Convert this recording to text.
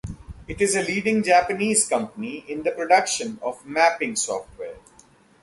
It is a leading Japanese company in the production of mapping software.